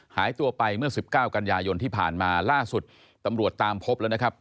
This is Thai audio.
หายตัวไปเมื่อ๑๙กันยายนที่ผ่านมาล่าสุดตำรวจตามพบแล้วนะครับ